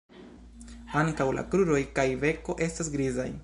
Ankaŭ la kruroj kaj beko estas grizaj.